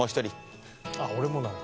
俺もなんだ。